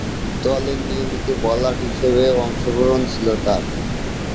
দলের নিয়মিত বোলার হিসেবে অংশগ্রহণ ছিল তার।